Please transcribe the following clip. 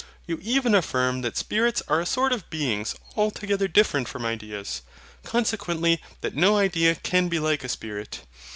You even affirm that spirits are a sort of beings altogether different from ideas. Consequently that no idea can be like a spirit.